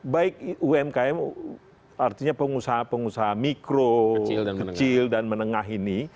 baik umkm artinya pengusaha pengusaha mikro kecil dan menengah ini